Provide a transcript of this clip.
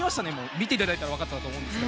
見ていただいたらわかったと思うんですが。